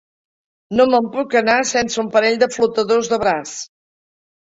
No me'n puc anar sense un parell de flotadors de braç.